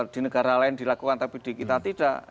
di negara lain dilakukan tapi di kita tidak